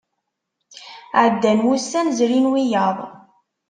Ɛeddan wussan, zrin wiyaḍ.